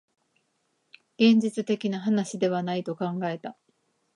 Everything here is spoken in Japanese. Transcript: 現実的な話ではないと考えた